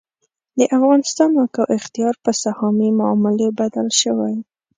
د افغانستان واک او اختیار په سهامي معاملې بدل شوی.